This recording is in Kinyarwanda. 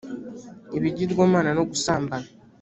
ibigirwamana no gusambana